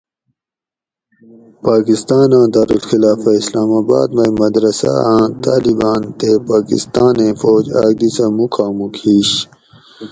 پاکستاناں دارالخلافہ اسلام آباۤد مئ مدرسۂ آۤں طاۤلباۤن تے پاکستانیں فوج آۤک دی سہۤ مُکھامُوک ہیش